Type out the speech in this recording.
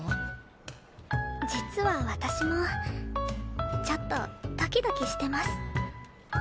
実は私もちょっとドキドキしてます。